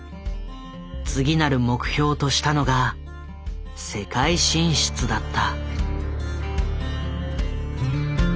次なる目標としたのが世界進出だった。